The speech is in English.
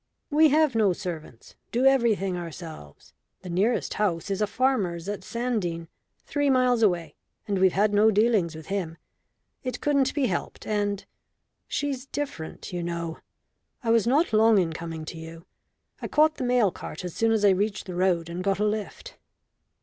"We have no servants do everything ourselves. The nearest house is a farmer's at Sandene, three miles away, and we've had no dealings with him. It couldn't be helped, and she's different, you know. I was not long in coming to you. I caught the mail cart as soon as I reached the road, and got a lift."